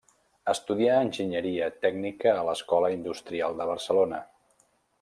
Estudià enginyeria tècnica a l'Escola Industrial de Barcelona.